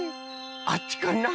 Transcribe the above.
あっちかな？